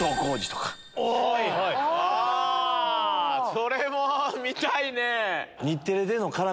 それも見たいね。